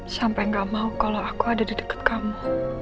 sampai gak mau kalau aku ada di dekat kamu